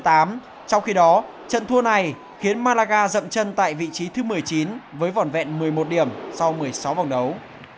trong khi đó trận thua này khiến malaga dậm chân tại vị trí thứ một mươi chín với vỏn vẹn một mươi một điểm sau một mươi sáu vòng đấu